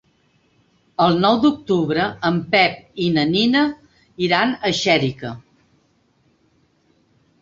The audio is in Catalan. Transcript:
El nou d'octubre en Pep i na Nina iran a Xèrica.